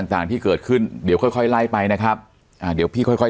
ต่างที่เกิดขึ้นเดี๋ยวค่อยไล่ไปนะครับเดี๋ยวพี่ค่อย